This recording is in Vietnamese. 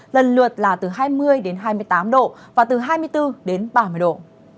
lần lượt là từ hai mươi hai mươi tám độ và từ hai mươi bốn đến ba mươi độ